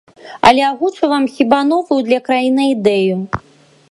Але агучу вам, хіба, новую для краіны ідэю.